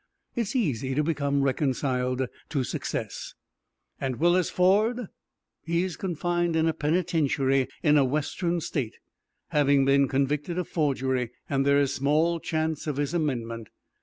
It is easy to become reconciled to success. Willis Ford is confined in a penitentiary in a Western State, having been convicted of forgery, and there is small chance of his amendment.